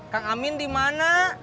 kang amin dimana